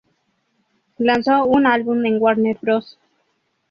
Lanzó un álbum en Warner Bros.